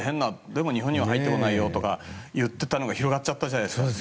でも日本には入ってこないよって言っていたのが広がっちゃったじゃないですか。